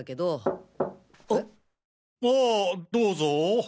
あどうぞ。